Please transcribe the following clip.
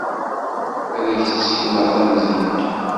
Ad k-d-ssekneɣ tamdint.